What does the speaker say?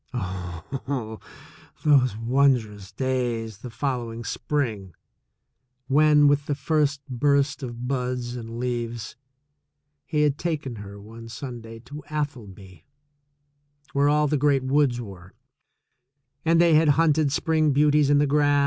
Oh, those wondrous days the following spring, when, with the first burst of buds and leaves, he had taken her one Sunday to Atholby, where all the great woods were, and they had hunted spring beauties in the grass.